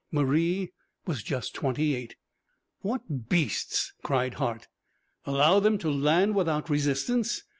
Marie was just twenty eight! "What beasts!" cried Hart. "Allow them to land without resistance?